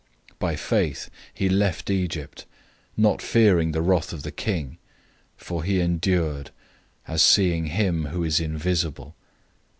011:027 By faith, he left Egypt, not fearing the wrath of the king; for he endured, as seeing him who is invisible.